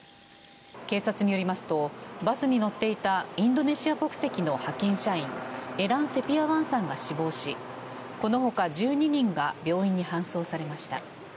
警察によりますとバスに乗っていたインドネシア国籍の派遣社員エラン・セピアワンさんが死亡しこのほか１２人が病院に搬送されました。